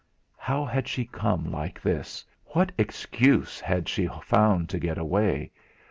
How had she come like this? what excuse had she found to get away?